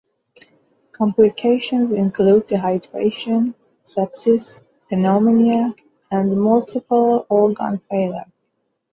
Complications include dehydration, sepsis, pneumonia, and multiple organ failure.